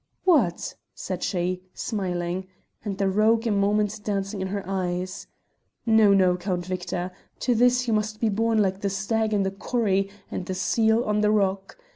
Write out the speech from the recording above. "What!" said she, smiling, and the rogue a moment dancing in her eyes. "No, no, Count Victor, to this you must be born like the stag in the corrie and the seal on the rock.